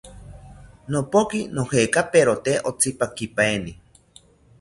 Nopoki nojekaperote otzipakipaeni